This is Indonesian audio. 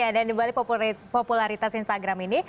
dan di balik popularitas instagram ini